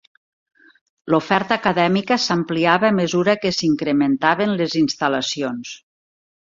L'oferta acadèmica s'ampliava a mesura que s'incrementaven les instal·lacions.